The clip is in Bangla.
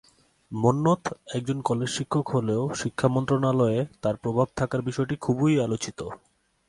মন্মথ একজন কলেজশিক্ষক হলেও শিক্ষা মন্ত্রণালয়ে তাঁর প্রভাব থাকার বিষয়টি খুবই আলোচিত।